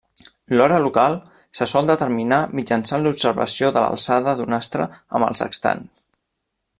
L'hora local se sol determinar mitjançant l'observació de l'alçada d'un astre amb el sextant.